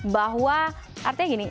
bahwa artinya gini